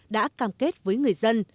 đã cam kết với người dân